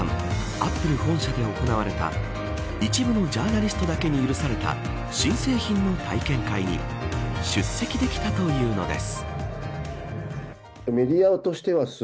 アップル本社で行われた一部のジャーナリストだけに許された新製品の体験会に出席できたというのです。